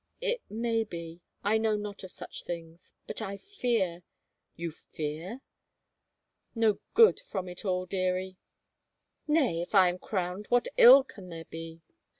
" It may be — I know not of such things — but I fear —" "You fear —?"" No good from it all, dearie." " Nay, if I am crowned what ill can there be